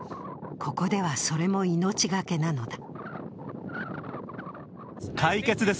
ここでは、それも命がけなのだ。